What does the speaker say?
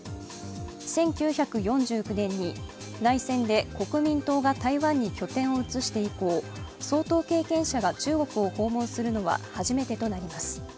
１９４９年に内戦で国民党が台湾に拠点を移して以降、総統経験者が中国を訪問するのは初めてとなります。